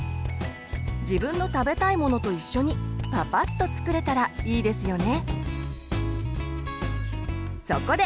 自分の食べたいものと一緒にパパッと作れたらいいですよね。